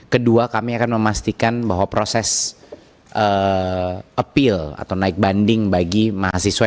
kedua kami akan memastikan bahwa proses appeal atau naik banding bagi mahasiswa